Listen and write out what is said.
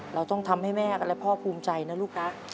เราต้องทำให้แม่กันและพ่อภูมิใจนะลูกนะ